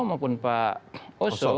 maupun pak oso